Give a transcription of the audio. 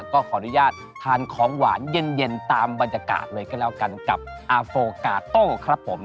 ก็ขออนุญาตทานของหวานเย็นตามบรรยากาศเลยก็แล้วกันกับอาโฟกาโต้ครับผม